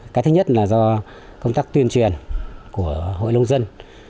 cái thứ nhất là do công tác tuyên truyền của hội nông dân